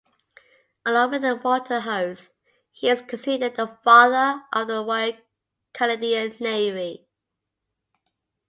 Along with Walter Hose, he is considered the father of the Royal Canadian Navy.